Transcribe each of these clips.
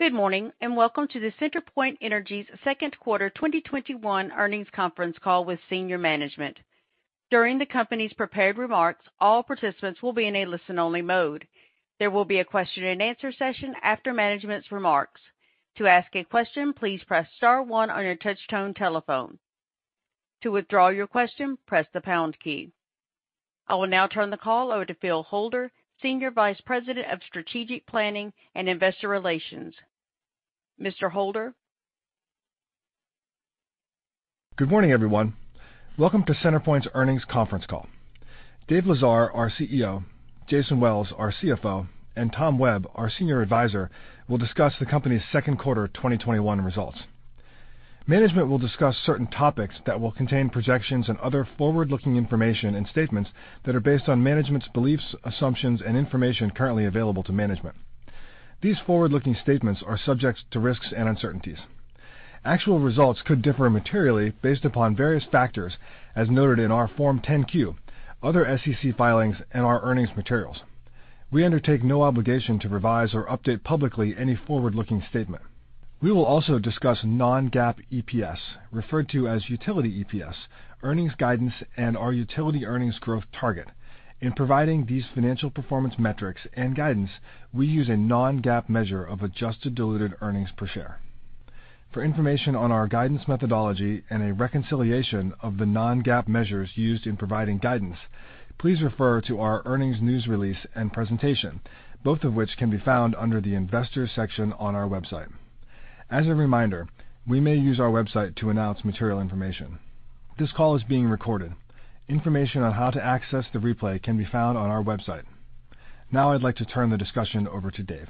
Good morning. Welcome to CenterPoint Energy's Second Quarter 2021 Earnings Conference Call with Senior Management. During the company's prepared remarks, all participants will be in a listen-only mode. There will be a question-and-answer session after management's remarks. To ask a question, please press star one on your touch-tone telephone. To withdraw your question, press the pound key. I will now turn the call over to Philip Holder, Senior Vice President of Strategic Planning and Investor Relations. Mr. Holder? Good morning, everyone. Welcome to CenterPoint's earnings conference call. Dave Lesar, our CEO, Jason P. Wells, our CFO, and Tom Webb, our Senior Advisor, will discuss the company's second quarter 2021 results. Management will discuss certain topics that will contain projections and other forward-looking information and statements that are based on management's beliefs, assumptions, and information currently available to management. These forward-looking statements are subject to risks and uncertainties. Actual results could differ materially based upon various factors as noted in our Form 10-Q, other SEC filings, and our earnings materials. We undertake no obligation to revise or update publicly any forward-looking statement. We will also discuss non-GAAP EPS, referred to as utility EPS, earnings guidance, and our utility earnings growth target. In providing these financial performance metrics and guidance, we use a non-GAAP measure of adjusted diluted earnings per share. For information on our guidance methodology and a reconciliation of the non-GAAP measures used in providing guidance, please refer to our earnings news release and presentation, both of which can be found under the Investors section on our website. As a reminder, we may use our website to announce material information. This call is being recorded. Information on how to access the replay can be found on our website. Now I'd like to turn the discussion over to Dave.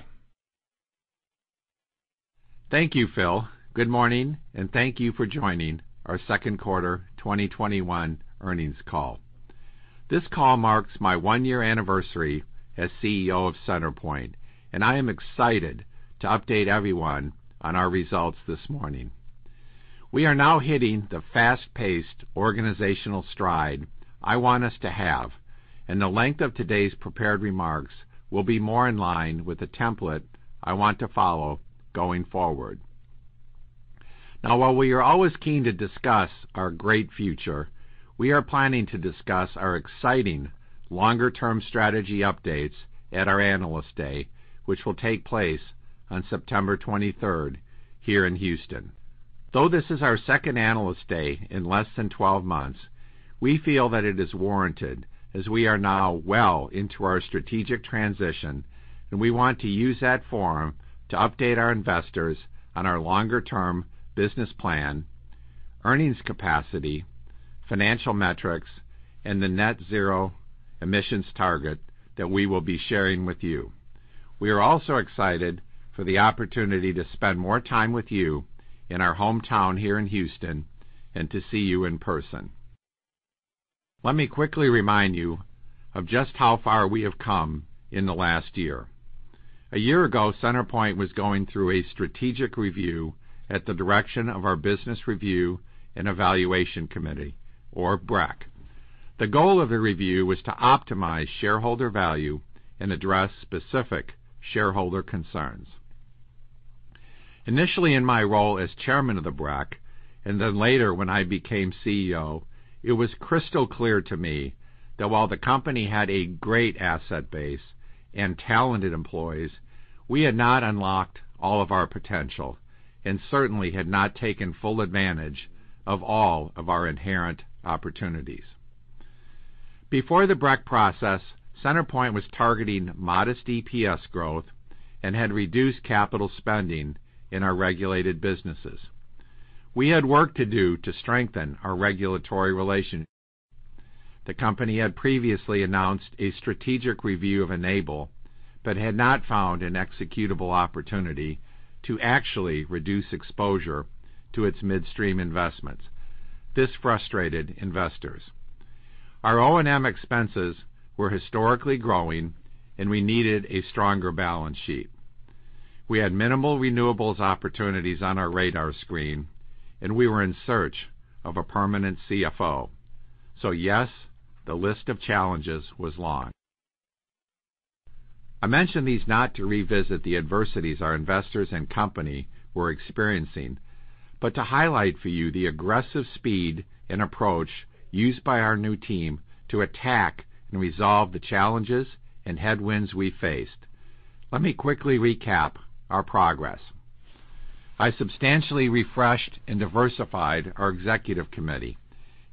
Thank you, Phil. Good morning, and thank you for joining our Second Quarter 2021 Earnings Call. This call marks my one-year anniversary as CEO of CenterPoint, and I am excited to update everyone on our results this morning. We are now hitting the fast-paced organizational stride I want us to have, and the length of today's prepared remarks will be more in line with the template I want to follow going forward. While we are always keen to discuss our great future, we are planning to discuss our exciting longer-term strategy updates at our Analyst Day, which will take place on September 23rd here in Houston. Though this is our second Analyst Day in less than 12 months, we feel that it is warranted as we are now well into our strategic transition. We want to use that forum to update our investors on our longer-term business plan, earnings capacity, financial metrics, and the net zero emissions target that we will be sharing with you. We are also excited for the opportunity to spend more time with you in our hometown here in Houston and to see you in person. Let me quickly remind you of just how far we have come in the last year. A year ago, CenterPoint was going through a strategic review at the direction of our Business Review and Evaluation Committee, or BREC. The goal of the review was to optimize shareholder value and address specific shareholder concerns. Initially in my role as chairman of the BREC, and then later when I became CEO, it was crystal clear to me that while the company had a great asset base and talented employees, we had not unlocked all of our potential and certainly had not taken full advantage of all of our inherent opportunities. Before the BREC process, CenterPoint was targeting modest EPS growth and had reduced capital spending in our regulated businesses. We had work to do to strengthen our regulatory relation. The company had previously announced a strategic review of Enable but had not found an executable opportunity to actually reduce exposure to its midstream investments. This frustrated investors. Our O&M expenses were historically growing, and we needed a stronger balance sheet. We had minimal renewables opportunities on our radar screen, and we were in search of a permanent CFO. Yes, the list of challenges was long. I mention these not to revisit the adversities our investors and company were experiencing, but to highlight for you the aggressive speed and approach used by our new team to attack and resolve the challenges and headwinds we faced. Let me quickly recap our progress. I substantially refreshed and diversified our executive committee,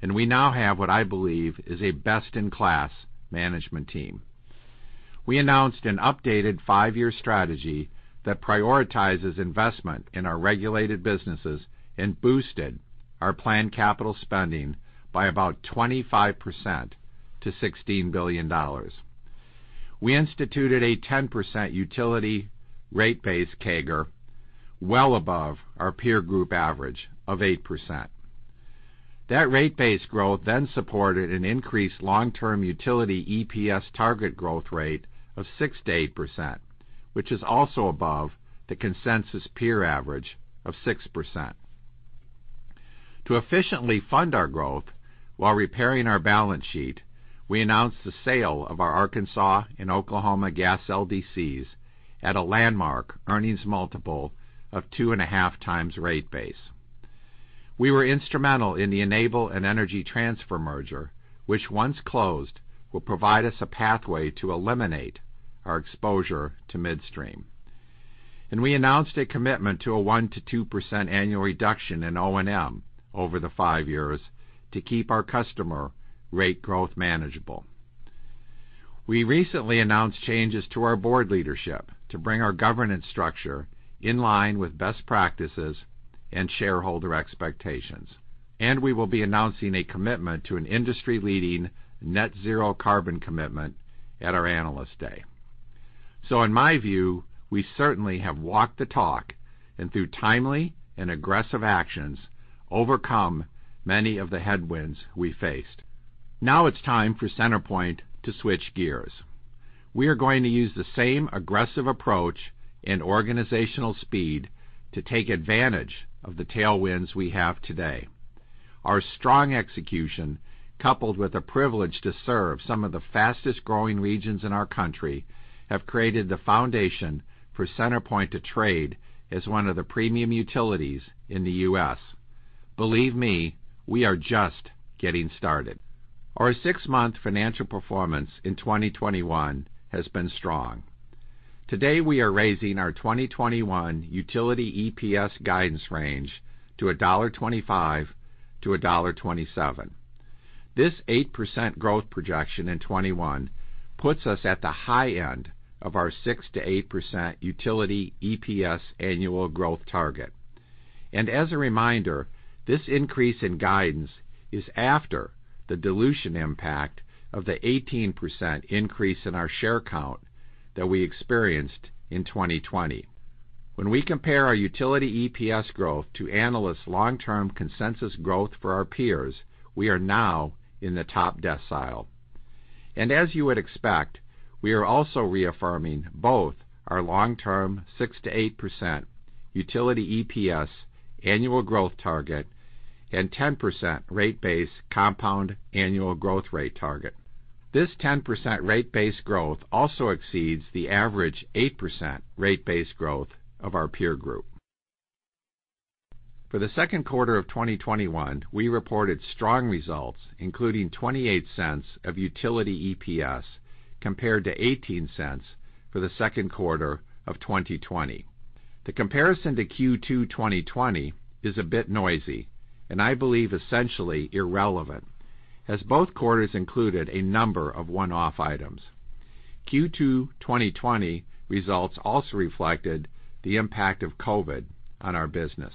and we now have what I believe is a best-in-class management team. We announced an updated five-year strategy that prioritizes investment in our regulated businesses and boosted our planned capital spending by about 25% to $16 billion. We instituted a 10% utility rate base CAGR, well above our peer group average of 8%. That rate base growth supported an increased long-term utility EPS target growth rate of 6%-8%, which is also above the consensus peer average of 6%. To efficiently fund our growth while repairing our balance sheet, we announced the sale of our Arkansas and Oklahoma gas LDCs at a landmark earnings multiple of 2.5x rate base. We were instrumental in the Enable and Energy Transfer merger, which once closed, will provide us a pathway to eliminate our exposure to midstream. We announced a commitment to a 1%-2% annual reduction in O&M over the five years to keep our customer rate growth manageable. We recently announced changes to our board leadership to bring our governance structure in line with best practices and shareholder expectations, and we will be announcing a commitment to an industry-leading net zero carbon commitment at our Analyst Day. In my view, we certainly have walked the talk, and through timely and aggressive actions, overcome many of the headwinds we faced. Now it's time for CenterPoint to switch gears. We are going to use the same aggressive approach and organizational speed to take advantage of the tailwinds we have today. Our strong execution, coupled with the privilege to serve some of the fastest-growing regions in our country, have created the foundation for CenterPoint to trade as one of the premium utilities in the U.S. Believe me, we are just getting started. Our six-month financial performance in 2021 has been strong. Today, we are raising our 2021 utility EPS guidance range to $1.25-$1.27. This 8% growth projection in 2021 puts us at the high end of our 6%-8% utility EPS annual growth target. As a reminder, this increase in guidance is after the dilution impact of the 18% increase in our share count that we experienced in 2020. When we compare our utility EPS growth to analysts' long-term consensus growth for our peers, we are now in the top decile. As you would expect, we are also reaffirming both our long-term 6%-8% utility EPS annual growth target and 10% rate base compound annual growth rate target. This 10% rate base growth also exceeds the average 8% rate base growth of our peer group. For the second quarter of 2021, we reported strong results, including $0.28 of utility EPS, compared to $0.18 for the second quarter of 2020. The comparison to Q2 2020 is a bit noisy, and I believe essentially irrelevant, as both quarters included a number of one-off items. Q2 2020 results also reflected the impact of COVID on our business.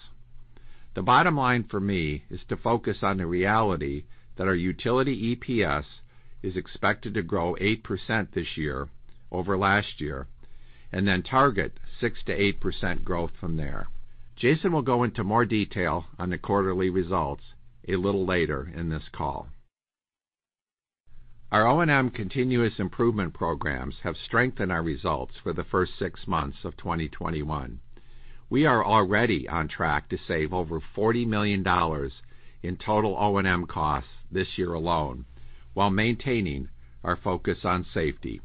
The bottom line for me is to focus on the reality that our utility EPS is expected to grow 8% this year over last year, and then target 6%-8% growth from there. Jason will go into more detail on the quarterly results a little later in this call. Our O&M continuous improvement programs have strengthened our results for the first six months of 2021. We are already on track to save over $40 million in total O&M costs this year alone, while maintaining our focus on safety.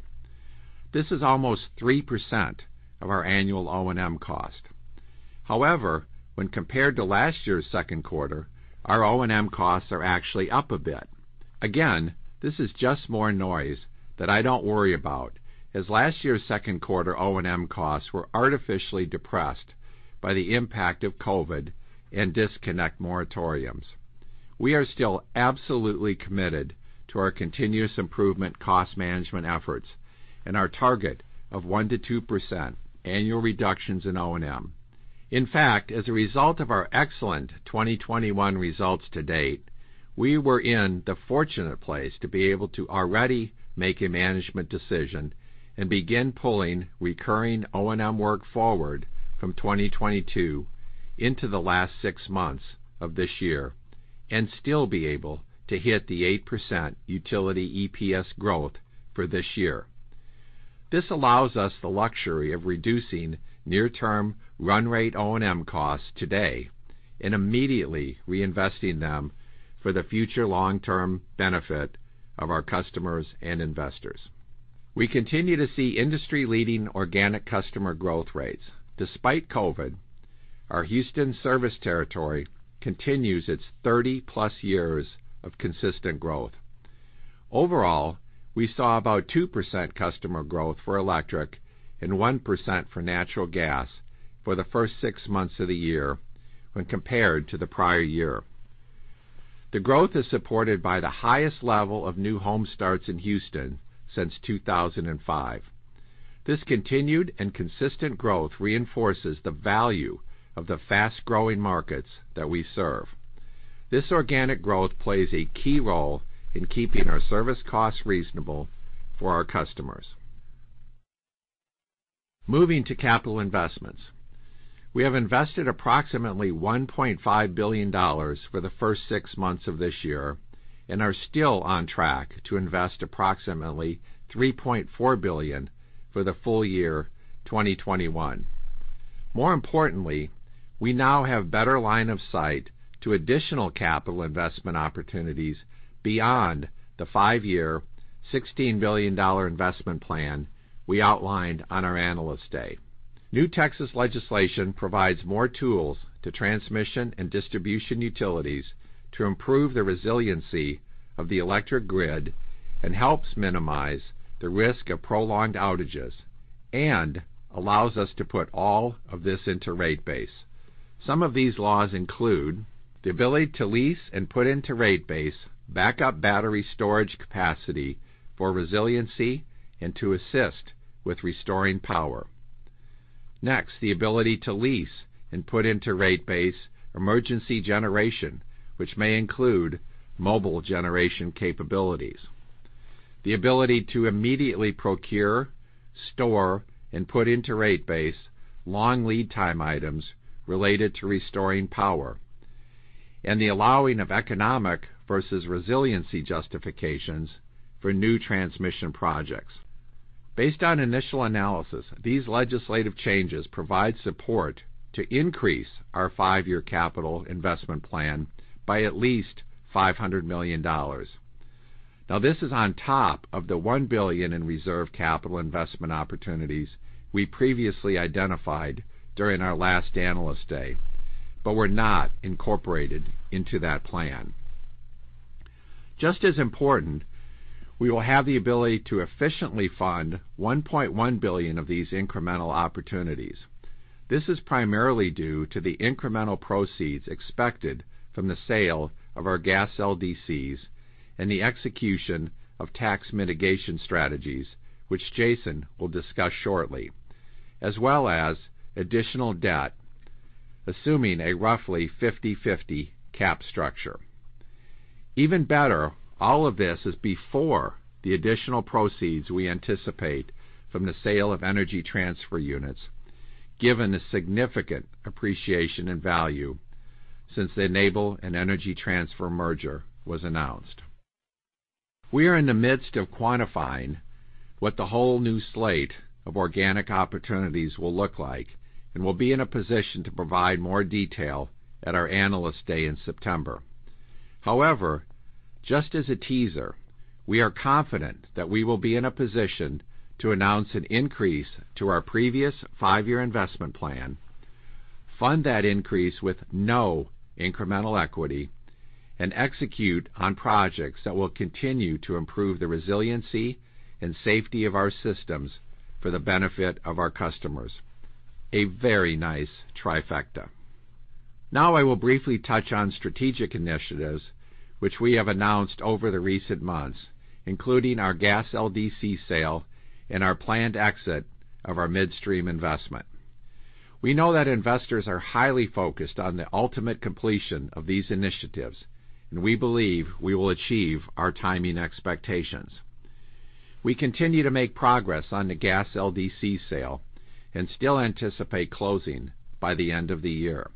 This is almost 3% of our annual O&M cost. However, when compared to last year's second quarter, our O&M costs are actually up a bit. Again, this is just more noise that I don't worry about, as last year's second quarter O&M costs were artificially depressed by the impact of COVID and disconnect moratoriums. We are still absolutely committed to our continuous improvement cost management efforts and our target of 1%-2% annual reductions in O&M. In fact, as a result of our excellent 2021 results to date, we were in the fortunate place to be able to already make a management decision and begin pulling recurring O&M work forward from 2022 into the last six months of this year and still be able to hit the 8% utility EPS growth for this year. This allows us the luxury of reducing near-term run rate O&M costs today and immediately reinvesting them for the future long-term benefit of our customers and investors. We continue to see industry-leading organic customer growth rates. Despite COVID, our Houston service territory continues its 30-plus years of consistent growth. Overall, we saw about 2% customer growth for electric and 1% for natural gas for the first six months of the year when compared to the prior year. The growth is supported by the highest level of new home starts in Houston since 2005. This continued and consistent growth reinforces the value of the fast-growing markets that we serve. This organic growth plays a key role in keeping our service costs reasonable for our customers. Moving to capital investments. We have invested approximately $1.5 billion for the first six months of this year. Are still on track to invest approximately $3.4 billion for the full year 2021. More importantly, we now have better line of sight to additional capital investment opportunities beyond the five-year, $16 billion investment plan we outlined on our Analyst Day. New Texas legislation provides more tools to transmission and distribution utilities to improve the resiliency of the electric grid and helps minimize the risk of prolonged outages and allows us to put all of this into rate base. Some of these laws include the ability to lease and put into rate base backup battery storage capacity for resiliency and to assist with restoring power. Next, the ability to lease and put into rate base emergency generation, which may include mobile generation capabilities. The ability to immediately procure, store, and put into rate base long lead time items related to restoring power, and the allowing of economic versus resiliency justifications for new transmission projects. Based on initial analysis, these legislative changes provide support to increase our five-year capital investment plan by at least $500 million. Now, this is on top of the $1 billion in reserve capital investment opportunities we previously identified during our last Analyst Day but were not incorporated into that plan. Just as important, we will have the ability to efficiently fund $1.1 billion of these incremental opportunities. This is primarily due to the incremental proceeds expected from the sale of our gas LDCs and the execution of tax mitigation strategies, which Jason will discuss shortly, as well as additional debt, assuming a roughly 50/50 cap structure. Even better, all of this is before the additional proceeds we anticipate from the sale of Energy Transfer units, given the significant appreciation in value since the Enable and Energy Transfer merger was announced. We are in the midst of quantifying what the whole new slate of organic opportunities will look like and will be in a position to provide more detail at our Analyst Day in September. However, just as a teaser, we are confident that we will be in a position to announce an increase to our previous five-year investment plan, fund that increase with no incremental equity, and execute on projects that will continue to improve the resiliency and safety of our systems for the benefit of our customers. A very nice trifecta. Now I will briefly touch on strategic initiatives, which we have announced over the recent months, including our gas LDC sale and our planned exit of our midstream investment. We know that investors are highly focused on the ultimate completion of these initiatives, and we believe we will achieve our timing expectations. We continue to make progress on the gas LDC sale and still anticipate closing by the end of the year.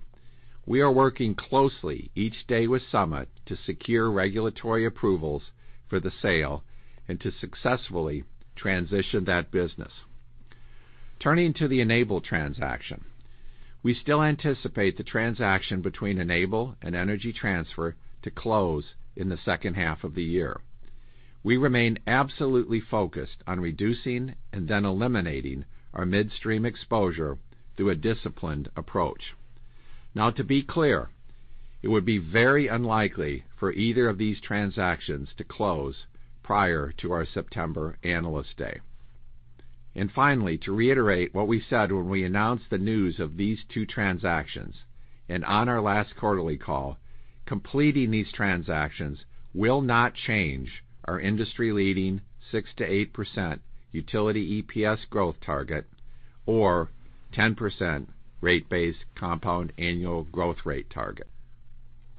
We are working closely each day with Summit to secure regulatory approvals for the sale and to successfully transition that business. Turning to the Enable transaction, we still anticipate the transaction between Enable and Energy Transfer to close in the second half of the year. We remain absolutely focused on reducing and then eliminating our midstream exposure through a disciplined approach. Now, to be clear, it would be very unlikely for either of these transactions to close prior to our September Analyst Day. Finally, to reiterate what we said when we announced the news of these two transactions and on our last quarterly call, completing these transactions will not change our industry-leading 6%-8% utility EPS growth target or 10% rate base compound annual growth rate target.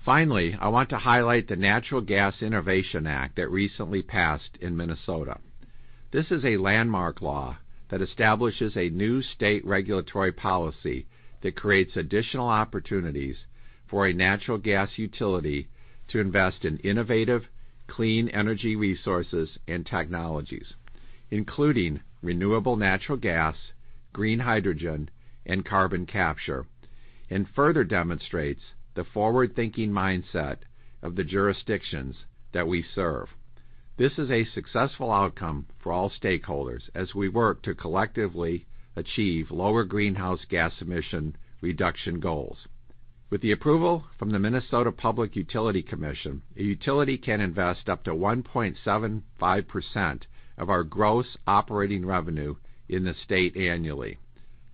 Finally, I want to highlight the Natural Gas Innovation Act that recently passed in Minnesota. This is a landmark law that establishes a new state regulatory policy that creates additional opportunities for a natural gas utility to invest in innovative, clean energy resources and technologies, including renewable natural gas, green hydrogen, and carbon capture, and further demonstrates the forward-thinking mindset of the jurisdictions that we serve. This is a successful outcome for all stakeholders as we work to collectively achieve lower greenhouse gas emission reduction goals. With the approval from the Minnesota Public Utilities Commission, a utility can invest up to 1.75% of our gross operating revenue in the state annually.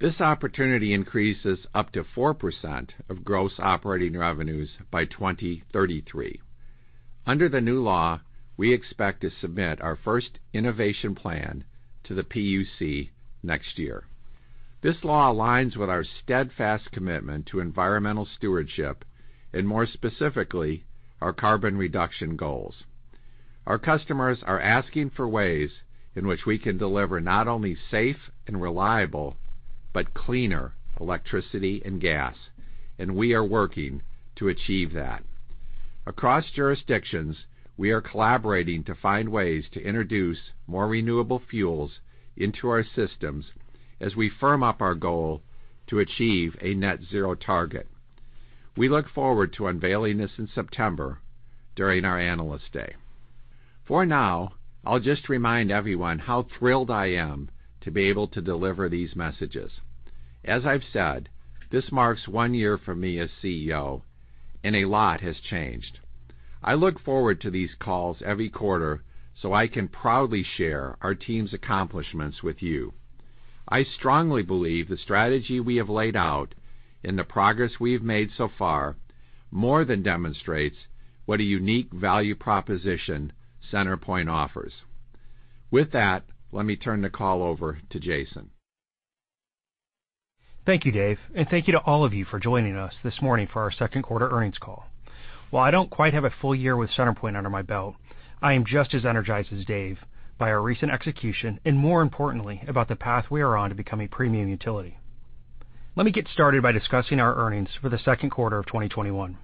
This opportunity increases up to 4% of gross operating revenues by 2033. Under the new law, we expect to submit our first innovation plan to the PUC next year. This law aligns with our steadfast commitment to environmental stewardship and, more specifically, our carbon reduction goals. Our customers are asking for ways in which we can deliver not only safe and reliable, but cleaner electricity and gas, and we are working to achieve that. Across jurisdictions, we are collaborating to find ways to introduce more renewable fuels into our systems as we firm up our goal to achieve a net zero target. We look forward to unveiling this in September during our Analyst Day. For now, I'll just remind everyone how thrilled I am to be able to deliver these messages. As I've said, this marks one year for me as CEO, and a lot has changed. I look forward to these calls every quarter so I can proudly share our team's accomplishments with you. I strongly believe the strategy we have laid out and the progress we have made so far more than demonstrates what a unique value proposition CenterPoint offers. With that, let me turn the call over to Jason. Thank you, Dave, and thank you to all of you for joining us this morning for our second quarter earnings call. While I don't quite have a full year with CenterPoint under my belt, I am just as energized as Dave by our recent execution, and more importantly, about the path we are on to become a premium utility. Let me get started by discussing our earnings for the second quarter of 2021.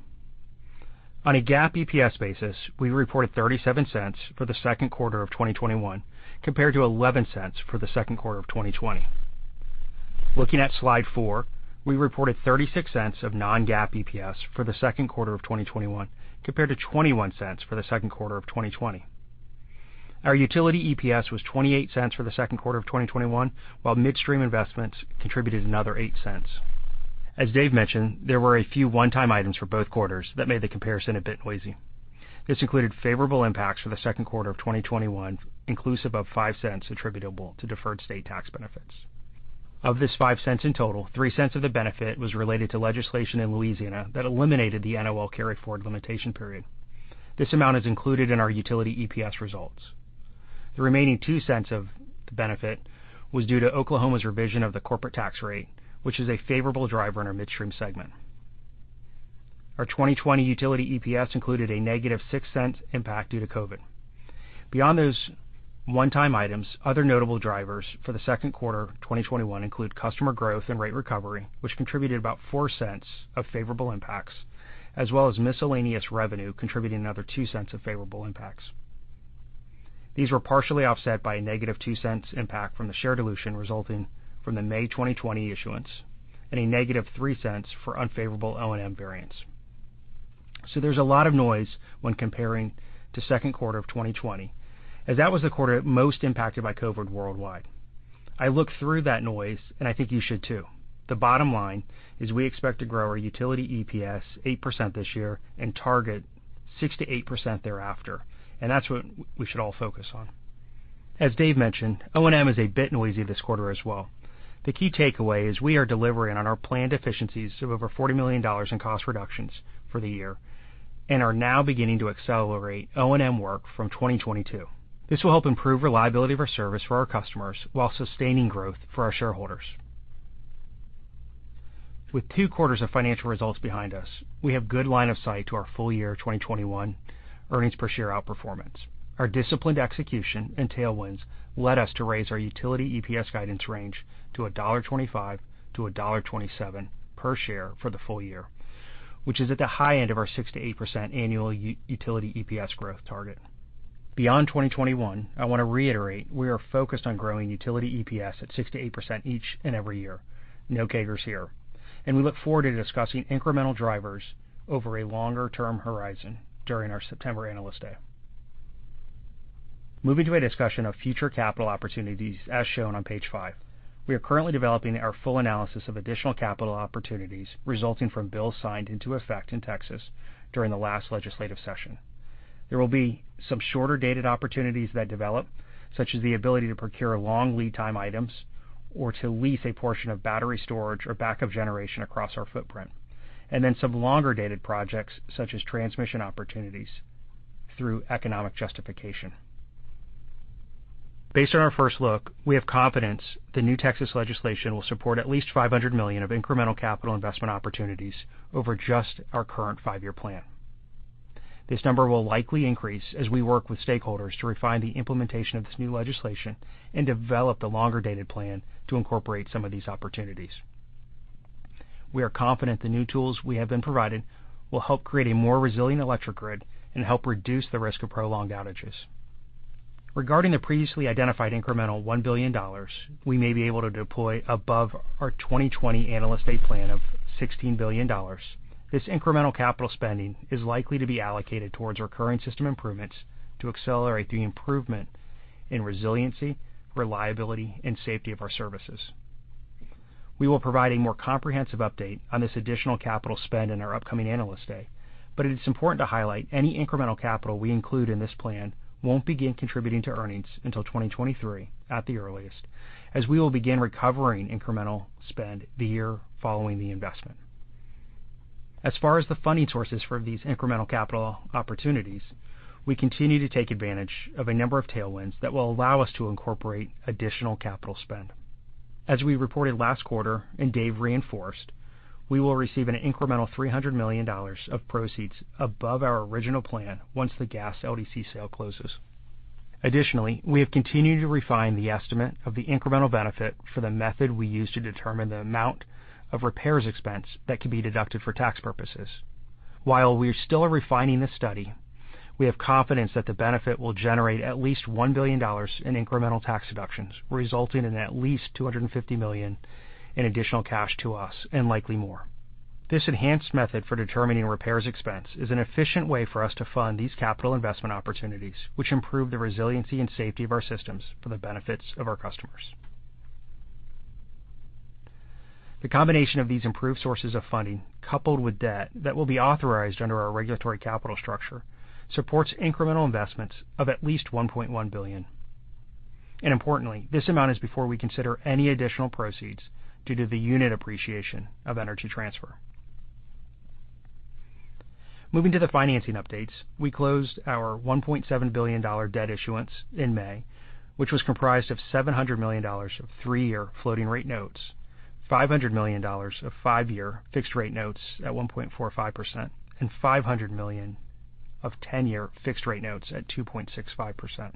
On a GAAP EPS basis, we reported $0.37 for the second quarter of 2021, compared to $0.11 for the second quarter of 2020. Looking at Slide 4, we reported $0.36 of non-GAAP EPS for the second quarter of 2021 compared to $0.21 for the second quarter of 2020. Our utility EPS was $0.28 for the second quarter of 2021, while midstream investments contributed another $0.08. As Dave mentioned, there were a few one-time items for both quarters that made the comparison a bit noisy. This included favorable impacts for the second quarter of 2021, inclusive of $0.05 attributable to deferred state tax benefits. Of this $0.05 in total, $0.03 of the benefit was related to legislation in Louisiana that eliminated the NOL carryforward limitation period. This amount is included in our utility EPS results. The remaining $0.02 of the benefit was due to Oklahoma's revision of the corporate tax rate, which is a favorable driver in our midstream segment. Our 2020 utility EPS included a -$0.06 impact due to COVID. Beyond those one-time items, other notable drivers for the second quarter of 2021 include customer growth and rate recovery, which contributed about $0.04 of favorable impacts, as well as miscellaneous revenue contributing another $0.02 of favorable impacts. These were partially offset by a -$0.02 impact from the share dilution resulting from the May 2020 issuance and a -$0.03 for unfavorable O&M variance. There's a lot of noise when comparing to second quarter of 2020, as that was the quarter most impacted by COVID worldwide. I look through that noise, and I think you should, too. The bottom line is we expect to grow our utility EPS 8% this year and target 6%-8% thereafter, that's what we should all focus on. As Dave mentioned, O&M is a bit noisy this quarter as well. The key takeaway is we are delivering on our planned efficiencies of over $40 million in cost reductions for the year and are now beginning to accelerate O&M work from 2022. This will help improve reliability of our service for our customers while sustaining growth for our shareholders. With two quarters of financial results behind us, we have good line of sight to our full year 2021 earnings per share outperformance. Our disciplined execution and tailwinds led us to raise our utility EPS guidance range to $1.25-$1.27 per share for the full year, which is at the high end of our 6%-8% annual utility EPS growth target. Beyond 2021, I want to reiterate we are focused on growing utility EPS at 6%-8% each and every year. No CAGRs here. We look forward to discussing incremental drivers over a longer term horizon during our September Analyst Day. Moving to a discussion of future capital opportunities, as shown on Page 5. We are currently developing our full analysis of additional capital opportunities resulting from bills signed into effect in Texas during the last legislative session. There will be some shorter-dated opportunities that develop, such as the ability to procure long lead time items or to lease a portion of battery storage or backup generation across our footprint, and then some longer-dated projects such as transmission opportunities through economic justification. Based on our first look, we have confidence the new Texas legislation will support at least $500 million of incremental capital investment opportunities over just our current five-year plan. This number will likely increase as we work with stakeholders to refine the implementation of this new legislation and develop the longer-dated plan to incorporate some of these opportunities. We are confident the new tools we have been provided will help create a more resilient electric grid and help reduce the risk of prolonged outages. Regarding the previously identified incremental $1 billion, we may be able to deploy above our 2020 Analyst Day plan of $16 billion. This incremental capital spending is likely to be allocated towards recurring system improvements to accelerate the improvement in resiliency, reliability, and safety of our services. We will provide a more comprehensive update on this additional capital spend in our upcoming Analyst Day, but it is important to highlight any incremental capital we include in this plan won't begin contributing to earnings until 2023 at the earliest, as we will begin recovering incremental spend the year following the investment. As far as the funding sources for these incremental capital opportunities, we continue to take advantage of a number of tailwinds that will allow us to incorporate additional capital spend. As we reported last quarter and Dave reinforced, we will receive an incremental $300 million of proceeds above our original plan once the gas LDC sale closes. Additionally, we have continued to refine the estimate of the incremental benefit for the method we use to determine the amount of repairs expense that can be deducted for tax purposes. While we still are refining this study, we have confidence that the benefit will generate at least $1 billion in incremental tax deductions, resulting in at least $250 million in additional cash to us, and likely more. This enhanced method for determining repairs expense is an efficient way for us to fund these capital investment opportunities, which improve the resiliency and safety of our systems for the benefits of our customers. The combination of these improved sources of funding, coupled with debt that will be authorized under our regulatory capital structure, supports incremental investments of at least $1.1 billion. Importantly, this amount is before we consider any additional proceeds due to the unit appreciation of Energy Transfer. Moving to the financing updates, we closed our $1.7 billion debt issuance in May, which was comprised of $700 million of three-year floating rate notes, $500 million of five-year fixed rate notes at 1.45%, and $500 million of 10-year fixed rate notes at 2.65%.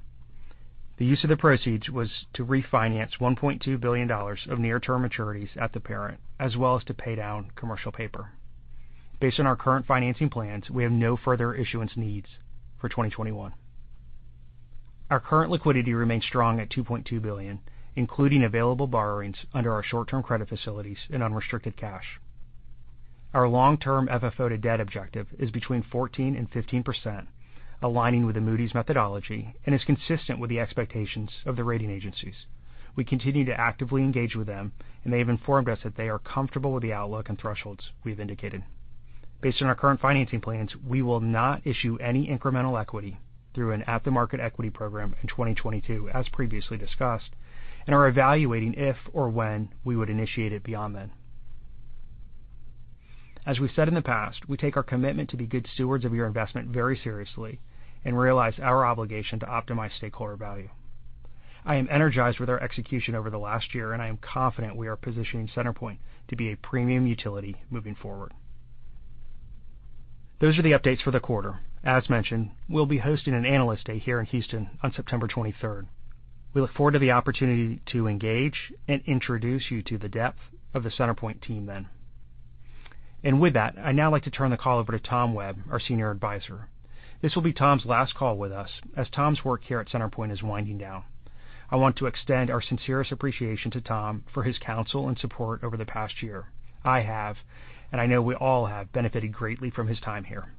The use of the proceeds was to refinance $1.2 billion of near-term maturities at the parent, as well as to pay down commercial paper. Based on our current financing plans, we have no further issuance needs for 2021. Our current liquidity remains strong at $2.2 billion, including available borrowings under our short-term credit facilities and unrestricted cash. Our long-term FFO to debt objective is between 14% and 15%, aligning with the Moody's methodology and is consistent with the expectations of the rating agencies. We continue to actively engage with them, and they have informed us that they are comfortable with the outlook and thresholds we've indicated. Based on our current financing plans, we will not issue any incremental equity through an at-the-market equity program in 2022, as previously discussed, and are evaluating if or when we would initiate it beyond then. As we've said in the past, we take our commitment to be good stewards of your investment very seriously and realize our obligation to optimize stakeholder value. I am energized with our execution over the last year, and I am confident we are positioning CenterPoint to be a premium utility moving forward. Those are the updates for the quarter. As mentioned, we'll be hosting an Analyst Day here in Houston on September 23rd. We look forward to the opportunity to engage and introduce you to the depth of the CenterPoint team then. With that, I'd now like to turn the call over to Thomas Webb, our Senior Advisor. This will be Thomas's last call with us, as Thomas's work here at CenterPoint is winding down. I want to extend our sincerest appreciation to Thomas for his counsel and support over the past year. I have, and I know we all have, benefited greatly from his time here.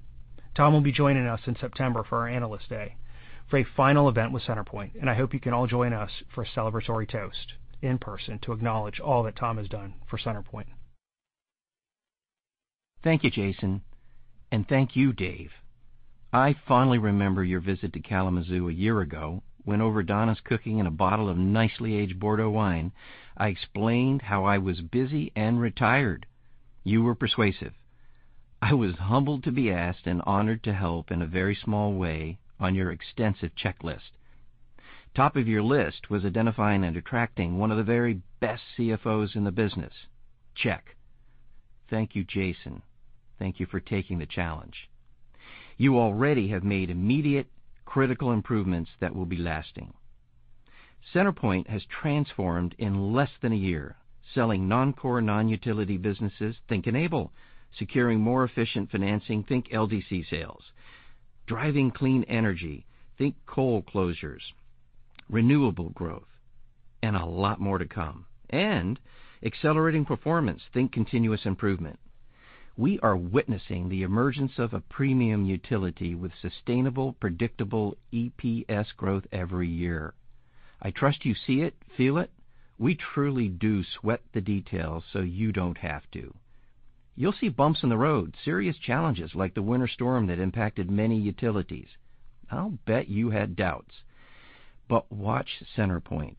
Tom will be joining us in September for our Analyst Day for a final event with CenterPoint. I hope you can all join us for a celebratory toast in person to acknowledge all that Tom has done for CenterPoint. Thank you, Jason, and thank you, Dave. I fondly remember your visit to Kalamazoo a year ago. Went over Donna's cooking and a bottle of nicely aged Bordeaux wine. I explained how I was busy and retired. You were persuasive. I was humbled to be asked and honored to help in a very small way on your extensive checklist. Top of your list was identifying and attracting one of the very best CFOs in the business. Check. Thank you, Jason. Thank you for taking the challenge. You already have made immediate critical improvements that will be lasting. CenterPoint has transformed in less than a year, selling non-core, non-utility businesses, think Enable. Securing more efficient financing, think LDC sales. Driving clean energy, think coal closures, renewable growth, and a lot more to come. Accelerating performance, think continuous improvement. We are witnessing the emergence of a premium utility with sustainable, predictable EPS growth every year. I trust you see it, feel it. We truly do sweat the details so you don't have to. You'll see bumps in the road, serious challenges like the winter storm that impacted many utilities. I'll bet you had doubts. Watch CenterPoint.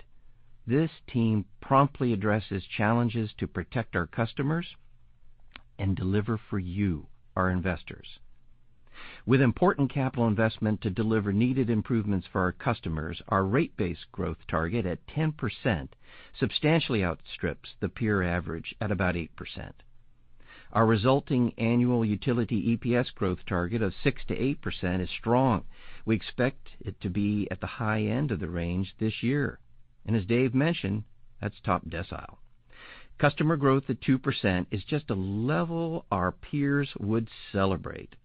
This team promptly addresses challenges to protect our customers and deliver for you, our investors. With important capital investment to deliver needed improvements for our customers, our rate base growth target at 10% substantially outstrips the peer average at about 8%. Our resulting annual utility EPS growth target of 6%-8% is strong. We expect it to be at the high end of the range this year. As Dave mentioned, that's top decile. Customer growth at 2% is just a level our peers would celebrate.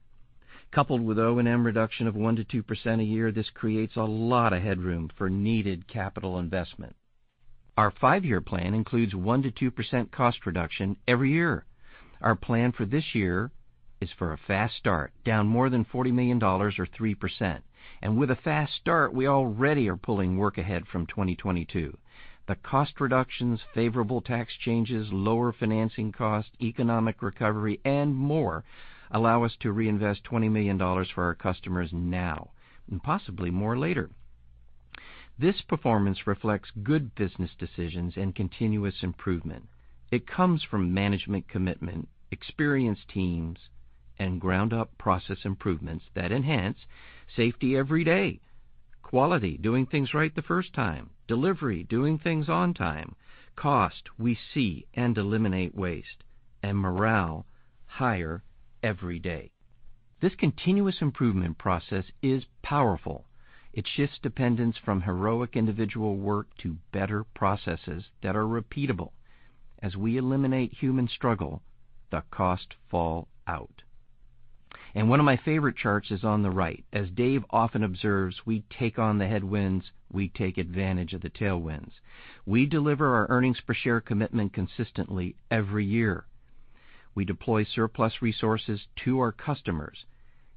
Coupled with O&M reduction of 1%-2% a year, this creates a lot of headroom for needed capital investment. Our five-year plan includes 1%-2% cost reduction every year. Our plan for this year is for a fast start, down more than $40 million or 3%. With a fast start, we already are pulling work ahead from 2022. The cost reductions, favorable tax changes, lower financing cost, economic recovery, and more allow us to reinvest $20 million for our customers now, and possibly more later. This performance reflects good business decisions and continuous improvement. It comes from management commitment, experienced teams, and ground-up process improvements that enhance safety every day. Quality, doing things right the first time. Delivery, doing things on time. Cost, we see and eliminate waste. Morale, higher every day. This continuous improvement process is powerful. It shifts dependence from heroic individual work to better processes that are repeatable. As we eliminate human struggle, the cost fall out. One of my favorite charts is on the right. As Dave often observes, we take on the headwinds, we take advantage of the tailwinds. We deliver our earnings per share commitment consistently every year. We deploy surplus resources to our customers.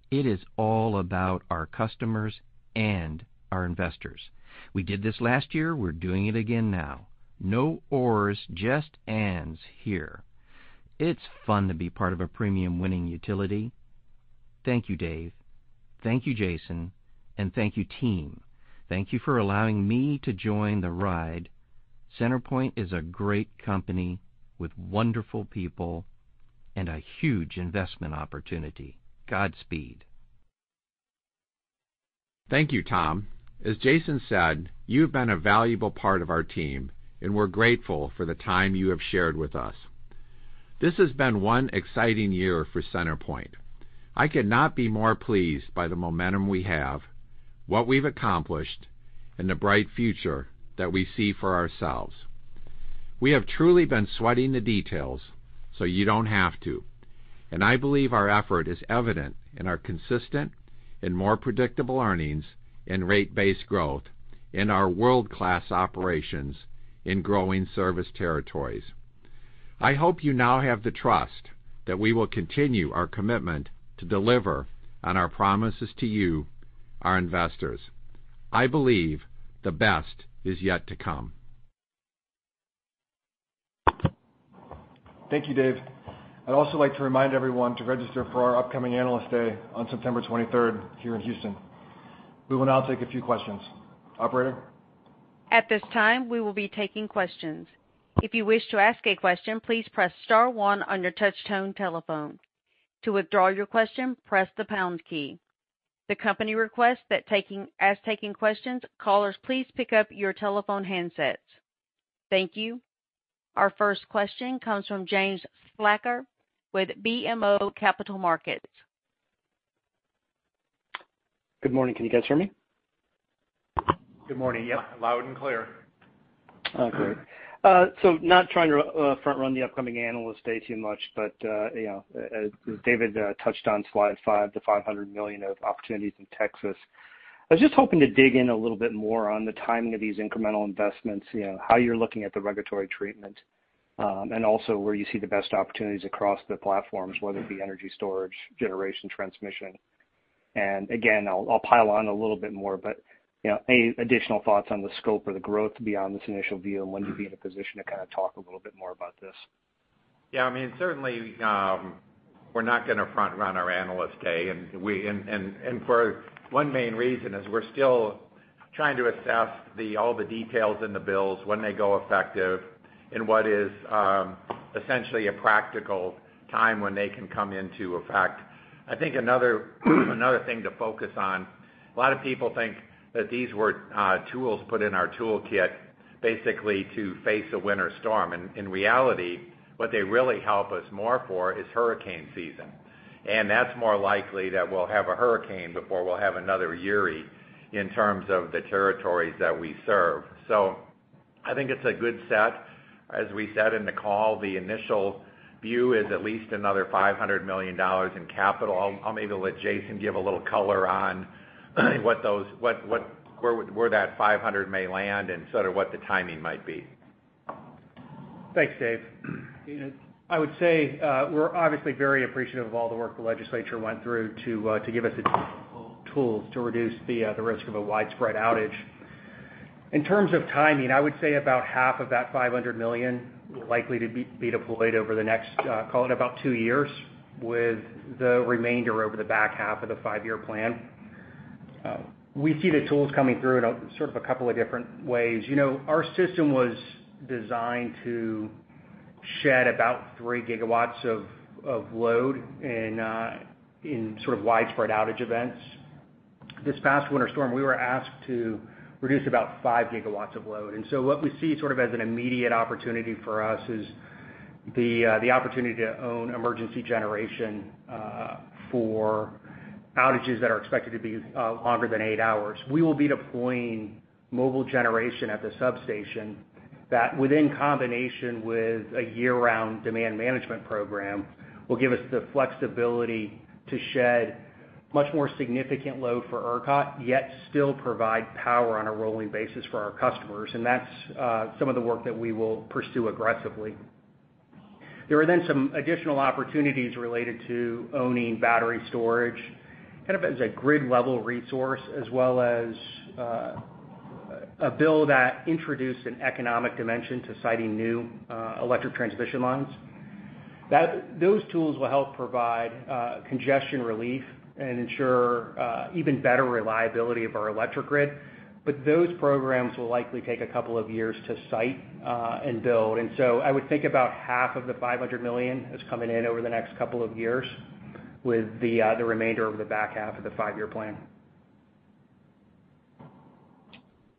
It is all about our customers and our investors. We did this last year. We're doing it again now. No ors, just ands here. It's fun to be part of a premium winning utility. Thank you, Dave. Thank you, Jason, and thank you, team. Thank you for allowing me to join the ride. CenterPoint is a great company with wonderful people and a huge investment opportunity. Godspeed. Thank you, Tom. As Jason said, you've been a valuable part of our team, and we're grateful for the time you have shared with us. This has been one exciting year for CenterPoint Energy. I could not be more pleased by the momentum we have, what we've accomplished, and the bright future that we see for ourselves. We have truly been sweating the details so you don't have to, and I believe our effort is evident in our consistent and more predictable earnings and rate-based growth in our world-class operations in growing service territories. I hope you now have the trust that we will continue our commitment to deliver on our promises to you, our investors. I believe the best is yet to come. Thank you, Dave. I'd also like to remind everyone to register for our upcoming Analyst Day on September 23rd here in Houston. We will now take a few questions. Operator? At this time, we will be taking questions. If you wish to ask a question, please press star one on your touchtone telephone. To withdraw your question, press the pound key. The company requests that as taking questions, callers please pick up your telephone handsets. Thank you. Our first question comes from James Thalacker with BMO Capital Markets. Good morning. Can you guys hear me? Good morning. Yep, loud and clear. Oh, great. Not trying to front-run the upcoming Analyst Day too much, but as David touched on Slide 5, the $500 million of opportunities in Texas. I was just hoping to dig in a little bit more on the timing of these incremental investments, how you're looking at the regulatory treatment, and also where you see the best opportunities across the platforms, whether it be energy storage, generation, transmission. Again, I'll pile on a little bit more, but any additional thoughts on the scope or the growth beyond this initial view and when you'd be in a position to kind of talk a little bit more about this? Yeah, certainly, we're not going to front-run our Analyst Day. For one main reason is we're still trying to assess all the details in the bills, when they go effective, and what is essentially a practical time when they can come into effect. I think another thing to focus on, a lot of people think that these were tools put in our toolkit basically to face a winter storm. In reality, what they really help us more for is hurricane season. That's more likely that we'll have a hurricane before we'll have another Uri in terms of the territories that we serve. I think it's a good set. As we said in the call, the initial view is at least another $500 million in capital. I'll maybe let Jason give a little color on where that $500 million may land and sort of what the timing might be. Thanks, Dave. I would say we're obviously very appreciative of all the work the legislature went through to give us additional tools to reduce the risk of a widespread outage. In terms of timing, I would say about half of that $500 million will likely to be deployed over the next, call it about two years, with the remainder over the back half of the five-year plan. We see the tools coming through in sort of a couple of different ways. Our system was designed to shed about 3 GW of load in sort of widespread outage events. This past Winter Storm Uri, we were asked to reduce about 5 GW of load. What we see sort of as an immediate opportunity for us is the opportunity to own emergency generation for outages that are expected to be longer than eight hours. We will be deploying mobile generation at the substation that within combination with a year-round demand management program, will give us the flexibility to shed much more significant load for ERCOT, yet still provide power on a rolling basis for our customers. That's some of the work that we will pursue aggressively. There are then some additional opportunities related to owning battery storage, kind of as a grid-level resource, as well as a bill that introduced an economic dimension to siting new electric transmission lines. Those tools will help provide congestion relief and ensure even better reliability of our electric grid. Those programs will likely take a couple of years to site and build. I would think about half of the $500 million is coming in over the next couple of years. With the remainder of the back half of the five-year plan.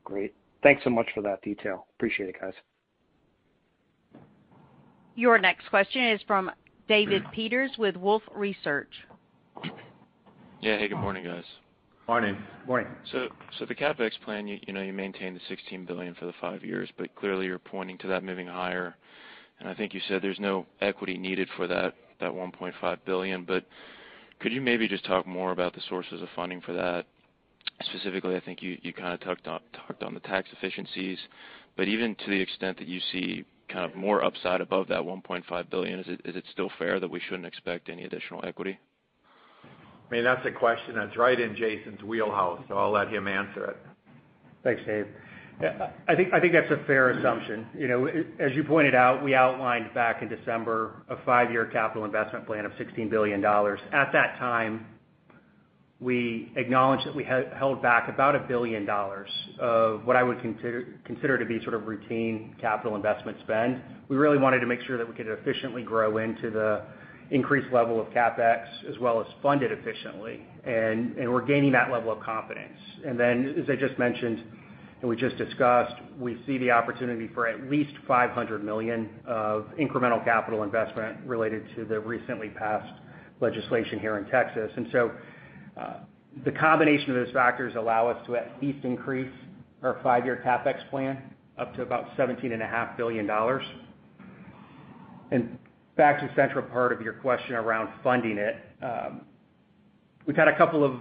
Great. Thanks so much for that detail. Appreciate it, guys. Your next question is from David Peters with Wolfe Research. Yeah. Hey, good morning, guys. Morning. Morning. The CapEx plan, you maintain the $16 billion for the five years, but clearly you're pointing to that moving higher, and I think you said there's no equity needed for that $1.5 billion, but could you maybe just talk more about the sources of funding for that? Specifically, I think you kind of touched on the tax efficiencies, but even to the extent that you see kind of more upside above that $1.5 billion, is it still fair that we shouldn't expect any additional equity? I mean, that's a question that's right in Jason's wheelhouse. I'll let him answer it. Thanks, Dave. I think that's a fair assumption. As you pointed out, we outlined back in December a five-year capital investment plan of $16 billion. At that time, we acknowledged that we held back about $1 billion of what I would consider to be sort of routine capital investment spend. We really wanted to make sure that we could efficiently grow into the increased level of CapEx as well as fund it efficiently. We're gaining that level of confidence. Then, as I just mentioned, we just discussed, we see the opportunity for at least $500 million of incremental capital investment related to the recently passed legislation here in Texas. The combination of those factors allow us to at least increase our five-year CapEx plan up to about $17.5 billion. Back to the central part of your question around funding it. We've had a couple of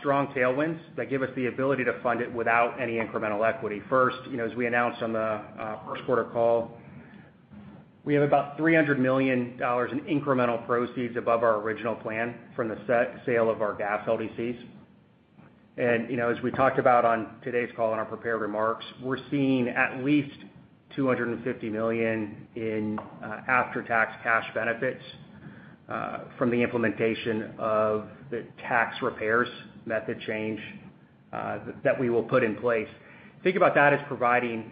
strong tailwinds that give us the ability to fund it without any incremental equity. First, as we announced on the first quarter call, we have about $300 million in incremental proceeds above our original plan from the sale of our gas LDCs. As we talked about on today's call in our prepared remarks, we're seeing at least $250 million in after-tax cash benefits from the implementation of the tax repairs method change that we will put in place. Think about that as providing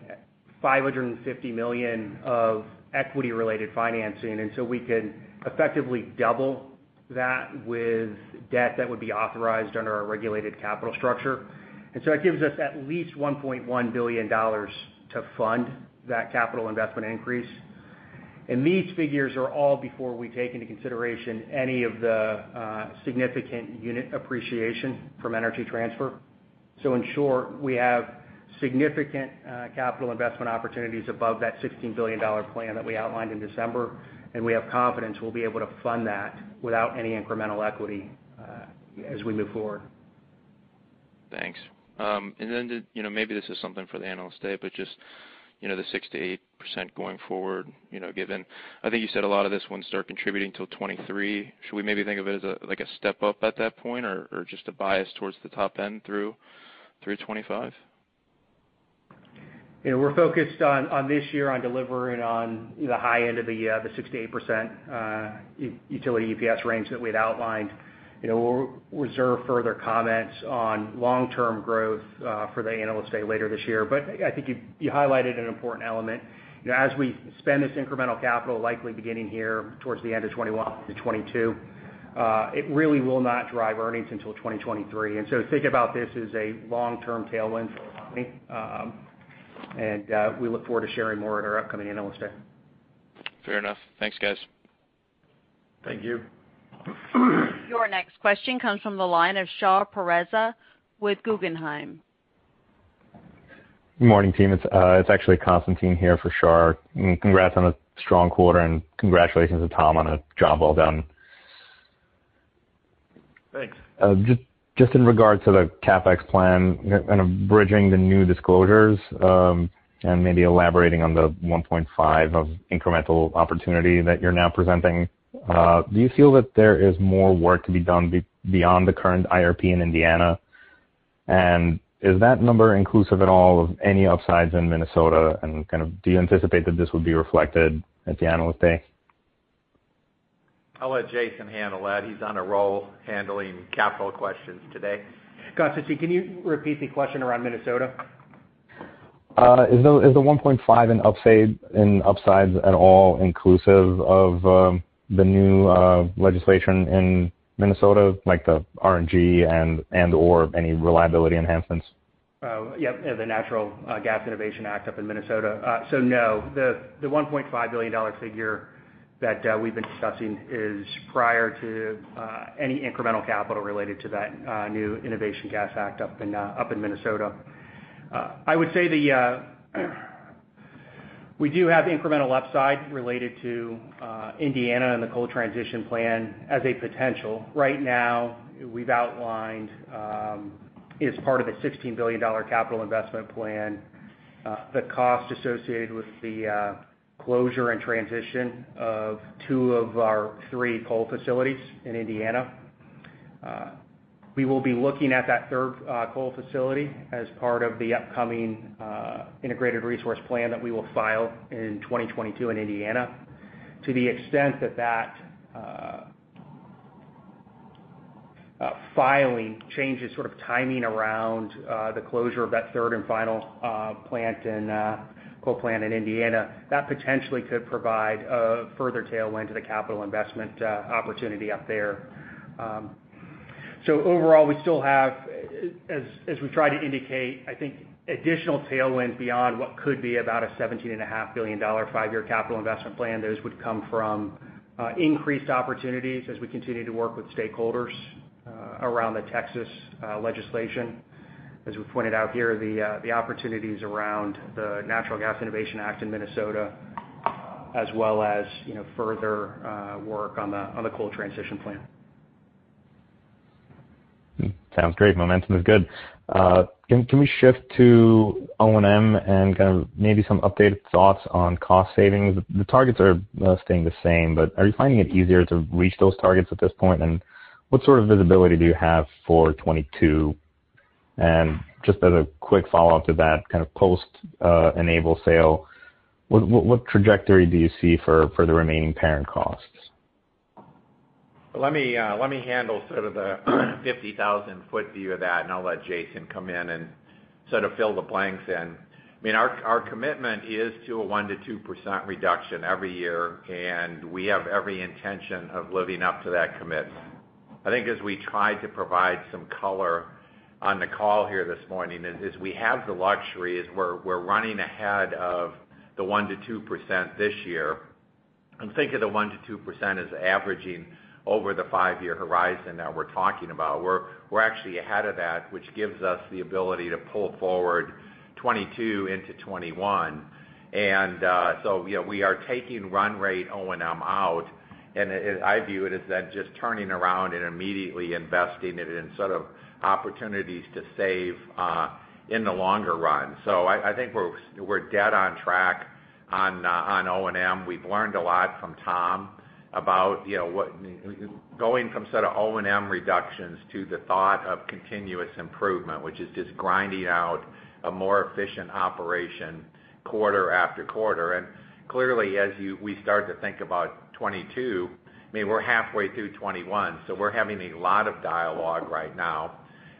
$550 million of equity-related financing, we could effectively double that with debt that would be authorized under our regulated capital structure. It gives us at least $1.1 billion to fund that capital investment increase. These figures are all before we take into consideration any of the significant unit appreciation from Energy Transfer. In short, we have significant capital investment opportunities above that $16 billion plan that we outlined in December, and we have confidence we'll be able to fund that without any incremental equity as we move forward. Thanks. Then, maybe this is something for the Analyst Day, but just the 6%-8% going forward, I think you said a lot of this wouldn't start contributing till 2023. Should we maybe think of it as like a step-up at that point, or just a bias towards the top end through 2025? We're focused on this year on delivering on the high end of the 6%-8% utility EPS range that we'd outlined. We'll reserve further comments on long-term growth for the Analyst Day later this year. I think you highlighted an important element. As we spend this incremental capital, likely beginning here towards the end of 2021 through 2022, it really will not drive earnings until 2023. Think about this as a long-term tailwind for the company. We look forward to sharing more at our upcoming Analyst Day. Fair enough. Thanks, guys. Thank you. Your next question comes from the line of Shahriar Pourreza with Guggenheim. Good morning, team. It's actually Constantine here for Shar. Congrats on a strong quarter and congratulations to Tom on a job well done. Thanks. Just in regards to the CapEx plan, kind of bridging the new disclosures, maybe elaborating on the $1.5 billion of incremental opportunity that you're now presenting, do you feel that there is more work to be done beyond the current IRP in Indiana? Is that number inclusive at all of any upsides in Minnesota? Do you anticipate that this would be reflected at the Analyst Day? I'll let Jason handle that. He's on a roll handling capital questions today. Constantine, can you repeat the question around Minnesota? Is the $1.5 in upsides at all inclusive of the new legislation in Minnesota, like the RNG and/or any reliability enhancements? Yeah. The Natural Gas Innovation Act up in Minnesota. No, the $1.5 billion figure that we've been discussing is prior to any incremental capital related to that new Natural Gas Innovation Act up in Minnesota. I would say we do have incremental upside related to Indiana and the coal transition plan as a potential. Right now, we've outlined, as part of a $16 billion capital investment plan, the cost associated with the closure and transition of two of our three coal facilities in Indiana. We will be looking at that third coal facility as part of the upcoming integrated resource plan that we will file in 2022 in Indiana to the extent that that filing changes sort of timing around the closure of that third and final coal plant in Indiana. That potentially could provide a further tailwind to the capital investment opportunity up there. Overall, we still have, as we try to indicate, I think additional tailwinds beyond what could be about a $17.5 billion five-year capital investment plan. Those would come from increased opportunities as we continue to work with stakeholders around the Texas legislation. As we pointed out here, the opportunities around the Natural Gas Innovation Act in Minnesota, as well as further work on the coal transition plan. Sounds great. Momentum is good. Can we shift to O&M and kind of maybe some updated thoughts on cost savings? The targets are staying the same, but are you finding it easier to reach those targets at this point? What sort of visibility do you have for 2022? Just as a quick follow-up to that kind of post-Enable sale, what trajectory do you see for the remaining parent costs? Let me handle sort of the 50,000-foot view of that, and I'll let Jason come in and sort of fill the blanks in. Our commitment is to a 1%-2% reduction every year, and we have every intention of living up to that commitment. I think as we try to provide some color on the call here this morning is, we have the luxury is we're running ahead of the 1%-2% this year. Think of the 1%-2% as averaging over the five-year horizon that we're talking about. We're actually ahead of that, which gives us the ability to pull forward 2022 into 2021. We are taking run rate O&M out, and I view it as that just turning around and immediately investing it in sort of opportunities to save in the longer run. I think we're dead on track on O&M. We've learned a lot from Thomas Webb about going from sort of O&M reductions to the thought of continuous improvement, which is just grinding out a more efficient operation quarter-after-quarter. Clearly, as we start to think about 2022, we're halfway through 2021, so we're having a lot of dialogue right now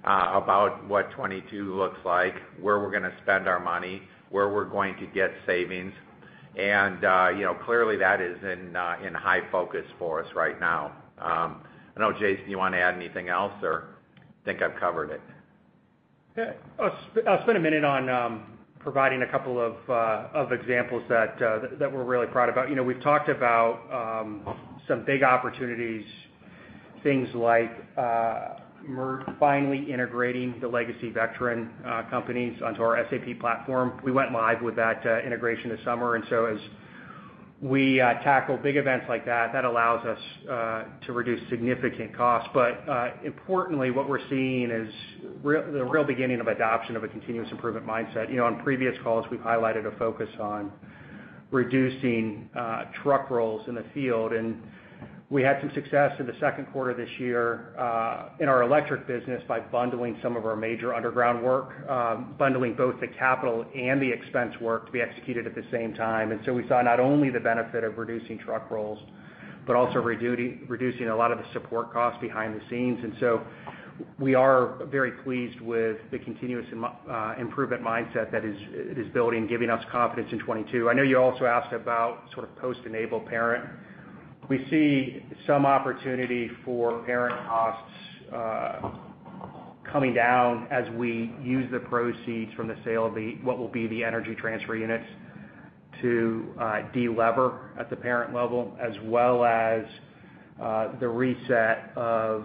about what 2022 looks like, where we're going to spend our money, where we're going to get savings, and clearly that is in high focus for us right now. I don't know, Jason P. Wells, do you want to add anything else or think I've covered it? Yeah. I'll spend a minute on providing a couple of examples that we're really proud about. We've talked about some big opportunities, things like finally integrating the legacy Vectren companies onto our SAP platform. We went live with that integration this summer. As we tackle big events like that allows us to reduce significant costs. Importantly, what we're seeing is the real beginning of adoption of a continuous improvement mindset. On previous calls, we've highlighted a focus on reducing truck rolls in the field. We had some success in the second quarter this year in our electric business by bundling some of our major underground work, bundling both the capital and the expense work to be executed at the same time. We saw not only the benefit of reducing truck rolls, but also reducing a lot of the support costs behind the scenes. We are very pleased with the continuous improvement mindset that is building, giving us confidence in 2022. I know you also asked about sort of post-Enable parent. We see some opportunity for parent costs coming down as we use the proceeds from the sale of what will be the Energy Transfer units to de-lever at the parent level, as well as the reset of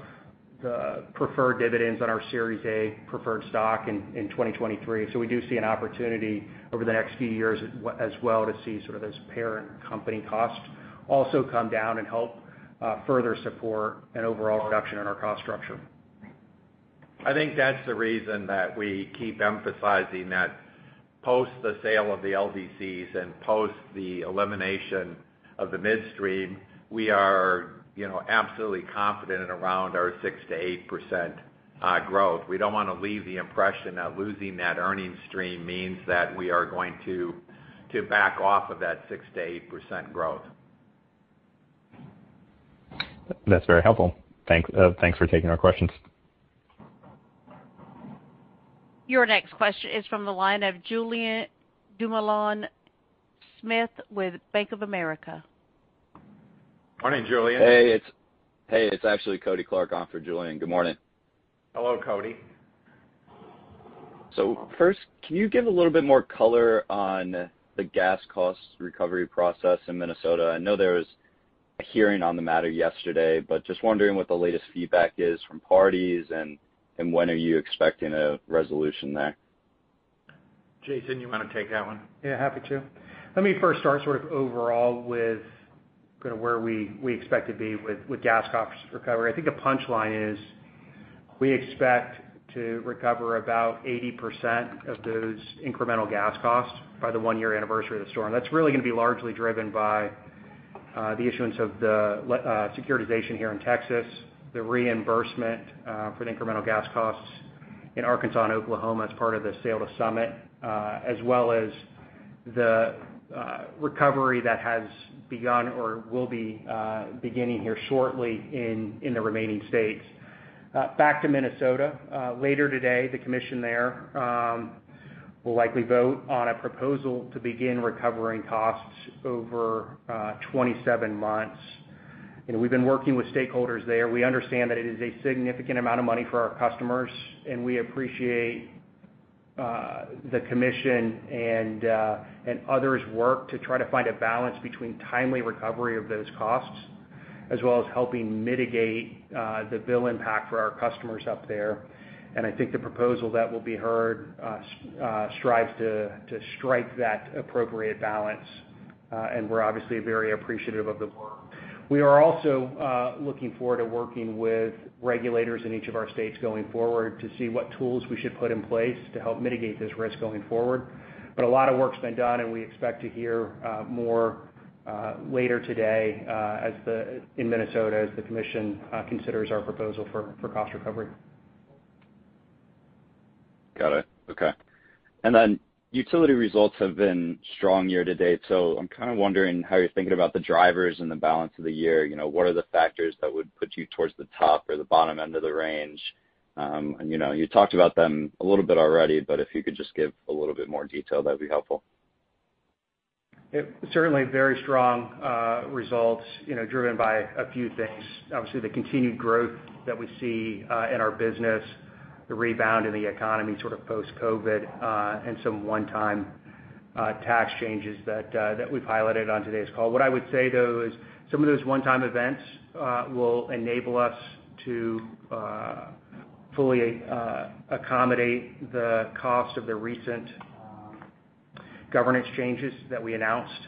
the preferred dividends on our Series A preferred stock in 2023. We do see an opportunity over the next few years as well to see sort of those parent company costs also come down and help further support an overall reduction in our cost structure. I think that's the reason that we keep emphasizing that post the sale of the LDCs and post the elimination of the midstream, we are absolutely confident around our 6%-8% growth. We don't want to leave the impression that losing that earnings stream means that we are going to back off of that 6%-8% growth. That's very helpful. Thanks for taking our questions. Your next question is from the line of Julien Dumoulin-Smith with Bank of America. Morning, Julien. Hey, it's actually Kody Clark on for Julien. Good morning. Hello, Kody. First, can you give a little bit more color on the gas cost recovery process in Minnesota? I know there was a hearing on the matter yesterday, but just wondering what the latest feedback is from parties and when are you expecting a resolution there? Jason, you want to take that one? Yeah, happy to. Let me first start sort of overall with kind of where we expect to be with gas costs recovery. I think the punchline is we expect to recover about 80% of those incremental gas costs by the one-year anniversary of the storm. That's really going to be largely driven by the issuance of the securitization here in Texas, the reimbursement for the incremental gas costs in Arkansas and Oklahoma as part of the sale to Summit, as well as the recovery that has begun or will be beginning here shortly in the remaining states. Back to Minnesota, later today, the commission there will likely vote on a proposal to begin recovering costs over 27 months. We've been working with stakeholders there. We understand that it is a significant amount of money for our customers, and we appreciate the commission and others' work to try to find a balance between timely recovery of those costs, as well as helping mitigate the bill impact for our customers up there. I think the proposal that will be heard strives to strike that appropriate balance, and we're obviously very appreciative of the work. We are also looking forward to working with regulators in each of our states going forward to see what tools we should put in place to help mitigate this risk going forward. A lot of work's been done, and we expect to hear more later today in Minnesota as the commission considers our proposal for cost recovery. Got it. Okay. Utility results have been strong year to date. I'm kind of wondering how you're thinking about the drivers and the balance of the year. What are the factors that would put you towards the top or the bottom end of the range? You talked about them a little bit already, if you could just give a little bit more detail, that'd be helpful. Yeah. Certainly very strong results driven by a few things. Obviously, the continued growth that we see in our business, the rebound in the economy sort of post-COVID, and some one-time tax changes that we've highlighted on today's call. What I would say, though, is some of those one-time events will enable us to fully accommodate the cost of the recent governance changes that we announced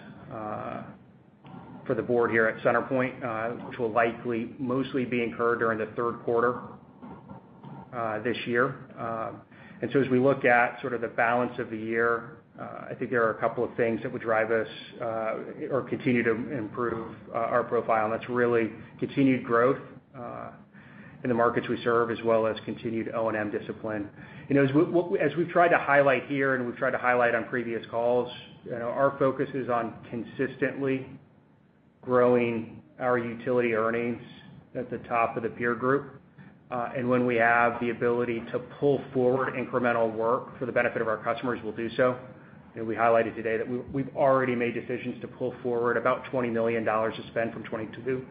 for the board here at CenterPoint, which will likely mostly be incurred during the third quarter this year. As we look at sort of the balance of the year, I think there are a couple of things that would drive us or continue to improve our profile, and that's really continued growth in the markets we serve as well as continued O&M discipline. As we've tried to highlight here and we've tried to highlight on previous calls, our focus is on consistently growing our utility earnings at the top of the peer group. When we have the ability to pull forward incremental work for the benefit of our customers, we'll do so. We highlighted today that we've already made decisions to pull forward about $20 million of spend from 2022.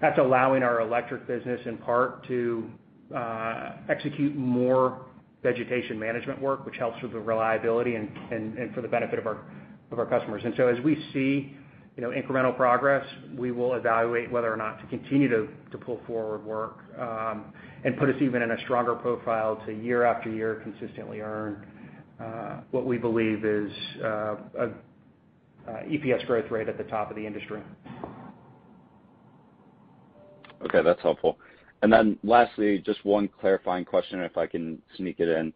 That's allowing our electric business in part to execute more vegetation management work, which helps with the reliability and for the benefit of our customers. As we see incremental progress, we will evaluate whether or not to continue to pull forward work and put us even in a stronger profile to year-after-year consistently earn what we believe is EPS growth rate at the top of the industry. Okay, that's helpful. Lastly, just one clarifying question if I can sneak it in.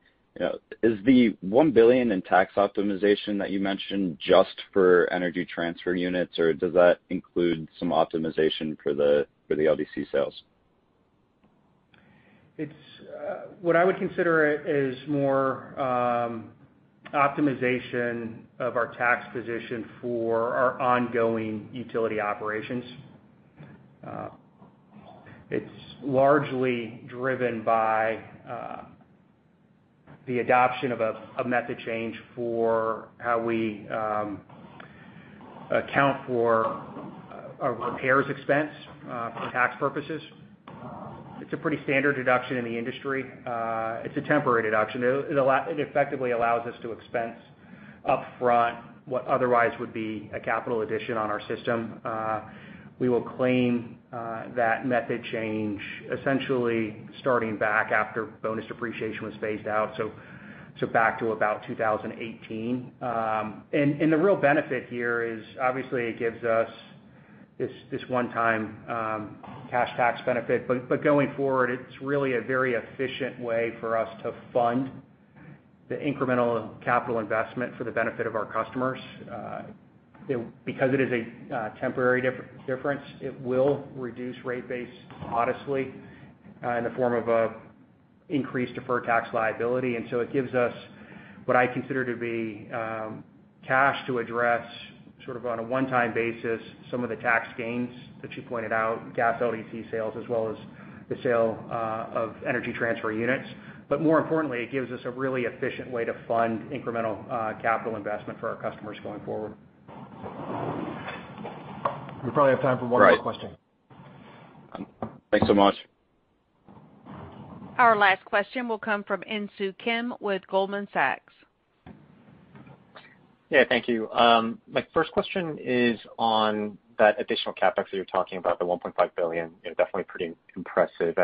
Is the $1 billion in tax optimization that you mentioned just for Energy Transfer units, or does that include some optimization for the LDC sales? What I would consider it is more optimization of our tax position for our ongoing utility operations. It's largely driven by the adoption of a method change for how we account for our repairs expense for tax purposes. It's a pretty standard deduction in the industry. It's a temporary deduction. It effectively allows us to expense upfront what otherwise would be a capital addition on our system. We will claim that method change essentially starting back after bonus depreciation was phased out, so back to about 2018. The real benefit here is obviously it gives us this one-time cash tax benefit. Going forward, it's really a very efficient way for us to fund the incremental capital investment for the benefit of our customers. Because it is a temporary difference, it will reduce rate base modestly in the form of increased deferred tax liability. It gives us what I consider to be cash to address sort of on a one-time basis some of the tax gains that you pointed out, gas LDC sales, as well as the sale of Energy Transfer units. More importantly, it gives us a really efficient way to fund incremental capital investment for our customers going forward. We probably have time for one more question. Right. Thanks so much. Our last question will come from Insoo Kim with Goldman Sachs. Thank you. My first question is on that additional CapEx that you're talking about, the $1.5 billion, definitely pretty impressive.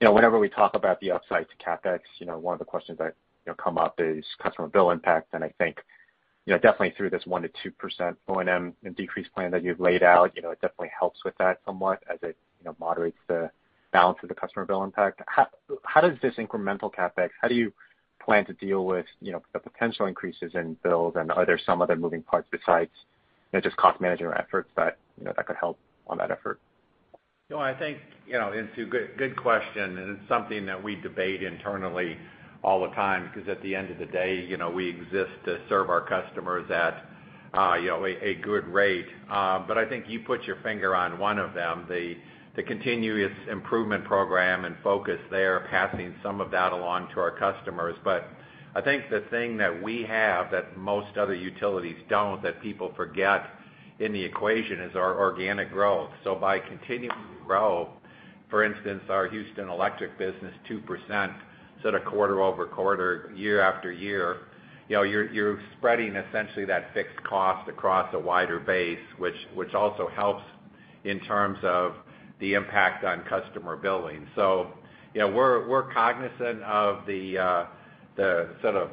Whenever we talk about the upside to CapEx, one of the questions that come up is customer bill impact, and I think definitely through this 1%-2% O&M and decrease plan that you've laid out, it definitely helps with that somewhat as it moderates the balance of the customer bill impact. How does this incremental CapEx, how do you plan to deal with the potential increases in bills and are there some other moving parts besides just cost management efforts that could help on that effort? No, I think it's a good question, and it's something that we debate internally all the time, because at the end of the day, we exist to serve our customers at a good rate. I think you put your finger on one of them, the continuous improvement program and focus there, passing some of that along to our customers. I think the thing that we have that most other utilities don't, that people forget in the equation, is our organic growth. By continuing to grow, for instance, our Houston Electric business 2% sort of quarter-over-quarter, year-after-year, you're spreading essentially that fixed cost across a wider base, which also helps in terms of the impact on customer billing. We're cognizant of the sort of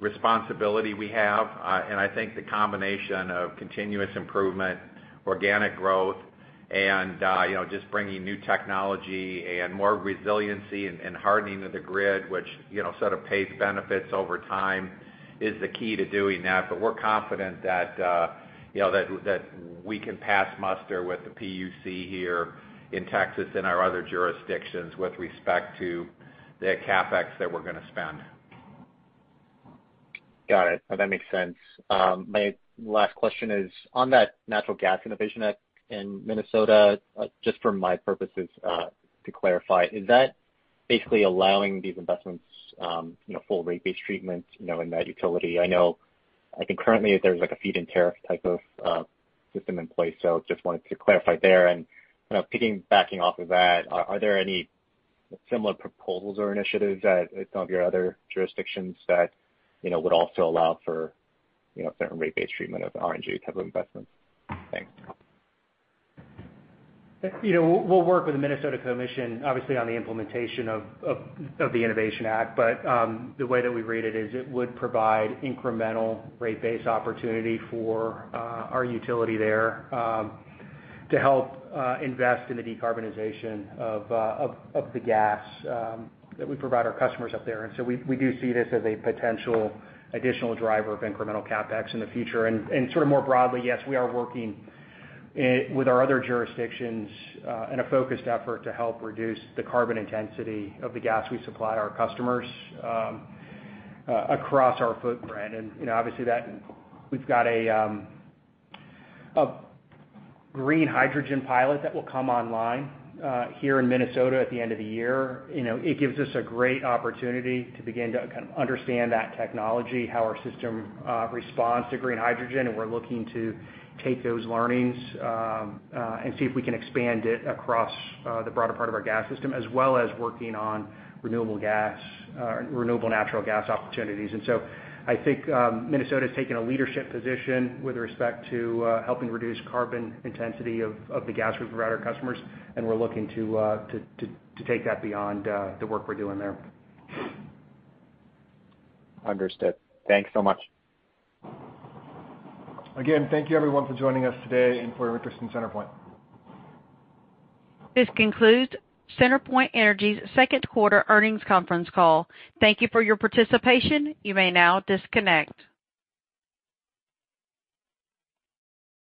responsibility we have. I think the combination of continuous improvement, organic growth, and just bringing new technology and more resiliency and hardening of the grid, which sort of pays benefits over time, is the key to doing that. We're confident that we can pass muster with the PUC here in Texas and our other jurisdictions with respect to the CapEx that we're going to spend. Got it. No, that makes sense. My last question is on that Natural Gas Innovation Act in Minnesota, just for my purposes, to clarify, is that basically allowing these investments full rate base treatment in that utility? I know, I think currently there's a feed-in tariff type of system in place, so just wanted to clarify there. Backing off of that, are there any similar proposals or initiatives at some of your other jurisdictions that would also allow for certain rate base treatment of RNG type of investments? Thanks. We'll work with the Minnesota Commission, obviously, on the implementation of the Innovation Act, but the way that we read it is it would provide incremental rate base opportunity for our utility there to help invest in the decarbonization of the gas that we provide our customers up there. We do see this as a potential additional driver of incremental CapEx in the future. More broadly, yes, we are working with our other jurisdictions in a focused effort to help reduce the carbon intensity of the gas we supply our customers across our footprint. Obviously, we've got a green hydrogen pilot that will come online here in Minnesota at the end of the year. It gives us a great opportunity to begin to kind of understand that technology, how our system responds to green hydrogen, and we're looking to take those learnings and see if we can expand it across the broader part of our gas system, as well as working on renewable natural gas opportunities. I think Minnesota has taken a leadership position with respect to helping reduce carbon intensity of the gas we provide our customers, and we're looking to take that beyond the work we're doing there. Understood. Thanks so much. Again, thank you everyone for joining us today and for your interest in CenterPoint. This concludes CenterPoint Energy's second quarter earnings conference call. Thank you for your participation. You may now disconnect.